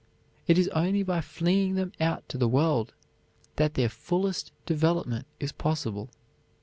It is only by flinging them out to the world that their fullest development is possible.